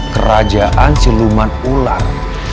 kerajaan siluman ular